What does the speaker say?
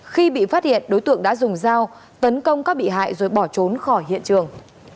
khi bị phát hiện đối tượng đã dùng dao tấn công các bị hại rồi bỏ trốn khỏi hiện trường